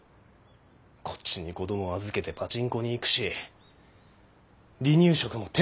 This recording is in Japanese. こっちに子供預けてパチンコに行くし離乳食も手抜きだし。